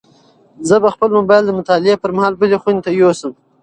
زه به خپل موبایل د مطالعې پر مهال بلې خونې ته یوسم.